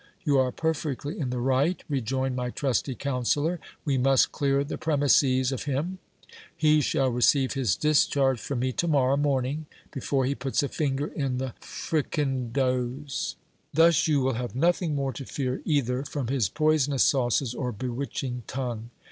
You are perfectly in the right, rejoined my trusty counsellor ; we must clear the premises of him — he shall receive his discharge from me to morrow morning, before he puts a finger in the fricandeaus ; thus you will have nothing more to fear either from his poisonous sauces or bewitching tongue.